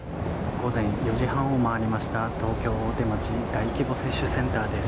午前４時半を回りました東京・大手町の大規模接種センターです。